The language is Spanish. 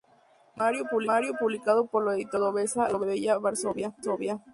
Poemario publicado por la editorial cordobesa La Bella Varsovia.